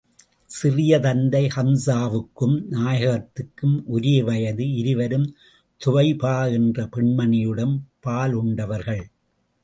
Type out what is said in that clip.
சிறிய தந்தை ஹம்ஸாவுக்கும் நாயகத்துக்கும் ஒரே வயது இருவரும் துவைபா என்ற பெண்மணியிடம் பாலுண்டவர்கள்.